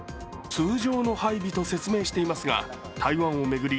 通常の配備と説明していますが台湾を巡り